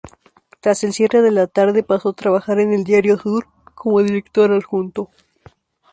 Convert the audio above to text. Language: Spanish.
Tras el cierre de "La Tarde" pasó trabajar en el diario "Sur" como director-adjunto.